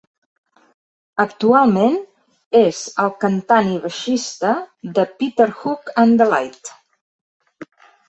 Actualment és el cantant i baixista de Peter Hook and the Light.